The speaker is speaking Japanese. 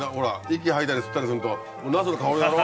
息吐いたり吸ったりするとナスの香りだろ？